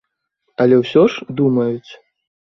Але ўсё ж думаюць.